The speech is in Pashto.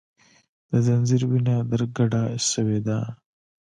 د خنځیر وینه در کډه سوې ده